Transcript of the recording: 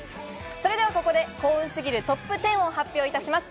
ではここで幸運すぎるトップ１０を発表いたします。